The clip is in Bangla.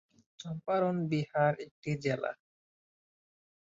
চম্পারণ বিহার এর একটি জেলা।